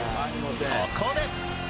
そこで。